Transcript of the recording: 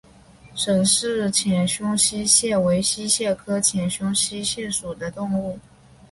沈氏浅胸溪蟹为溪蟹科浅胸溪蟹属的动物。